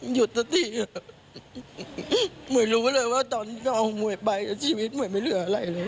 หยุดตกทีหมวยรู้เลยว่าตอนเนี่ยเขาหมวยไปชีวิตหมวยไม่เหลืออะไรเลย